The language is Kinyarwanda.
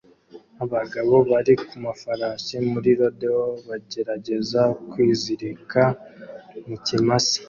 Abagabo bari ku mafarashi muri rodeo bagerageza kwizirika mu kimasa